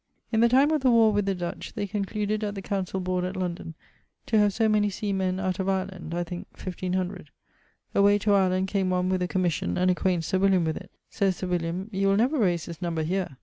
In the time of the warre with the Dutch, they concluded at the councell board at London, to have so many sea men out of Irland (I thinke 1500). Away to Irland came one with a commission, and acquaints Sir William with it; sayes Sir William, 'you will never rayse this number here.'